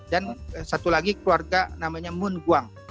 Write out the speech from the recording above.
dan satu lagi keluarga namanya moon gwang